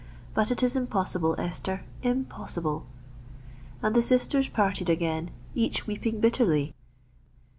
But it is impossible, Esther,—impossible!" And the sisters parted again, each weeping bitterly.